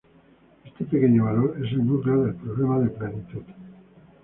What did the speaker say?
Este pequeño valor es el núcleo del problema de planitud.